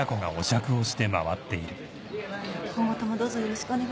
今後ともどうぞよろしくお願いいたします。